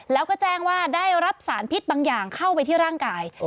แล้วก็แจ้งว่าได้รับสารพิษบางอย่างเข้าไปที่ร่างกาย